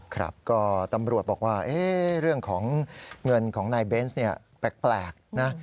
ครับก็ตำรวจบอกว่าเรื่องของเงินของนายเบนส์เนี่ยแปลกนะ